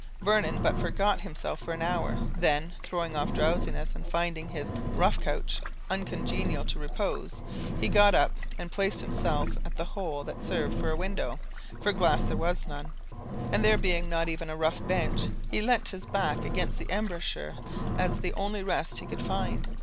Vernon but forgot himself for an hour; then, throwing off drowsiness, and finding his roughcouch uncongenial to repose, he got up and placed himself at the hole that served for a window, for glass there was none, and there being not even a rough bench, he leant his back against the embrasure, as the only rest he could find.